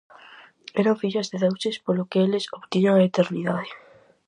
Eran fillas de deuses polo que eles obtiñan a eternidade.